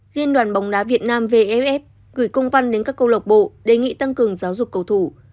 liên đoàn bóng đá việt nam vff gửi công văn đến các câu lộc bộ đề nghị tăng cường giáo dục cầu thủ